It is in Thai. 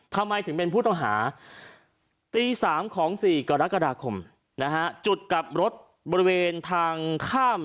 ทำไมถึงเป็นผู้ต้องหาตี๓ของ๔กรกฎาคมนะฮะจุดกลับรถบริเวณทางข้าม